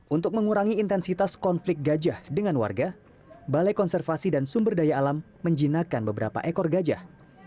untuk mengurangi intensitas konflik gajah dengan warga balai konservasi dan sumber daya alam menjinakkan beberapa ekor gajah